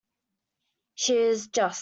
She is just.